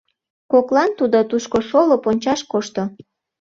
Коклан тудо тушко шолып ончаш кошто.